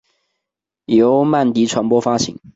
由曼迪传播发行。